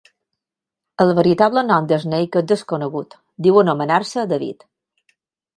El veritable nom de Snake és desconegut, diu anomenar-se David.